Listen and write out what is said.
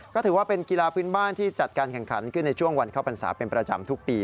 ก็ถือว่าเป็นกีฬาพื้นบ้านที่จัดการแข่งขันขึ้นในช่วงวันเข้าพรรษาเป็นประจำทุกปี